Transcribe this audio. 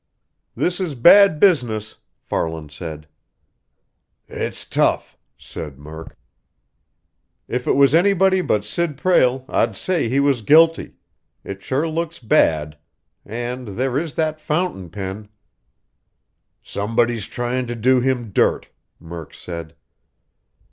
"This is a bad business," Farland said. "It's tough," said Murk. "If it was anybody but Sid Prale, I'd say he was guilty. It sure looks bad. And there is that fountain pen!" "Somebody's tryin' to do him dirt," Murk said.